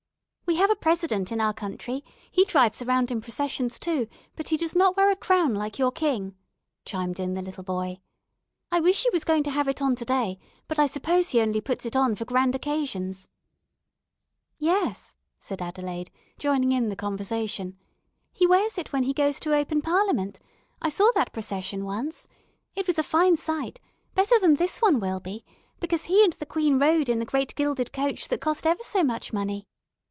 "We have a 'President' in our country; he drives around in processions, too, but he does not wear a crown like your king," chimed in the little boy. "I wish he was going to have it on to day, but I suppose he only puts it on for grand occasions." "Yes," said Adelaide, joining in the conversation, "he wears it when he goes to open Parliament. I saw that procession once. It was a fine sight, better than this will be, because he and the queen rode in the great gilded coach that cost ever so much money.